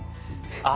あ。